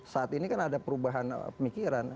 saat ini kan ada perubahan pemikiran